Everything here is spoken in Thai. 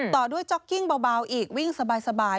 ต่อด้วยจ๊อกกิ้งเบาอีกวิ่งสบาย